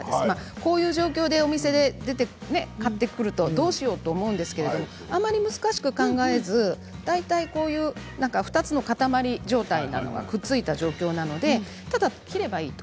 こういう状況でお店で買ってくるとどうしようと思うんですがあまり難しく考えず大体２つの塊状態のものがくっついた状態なのでただ切ればいいと。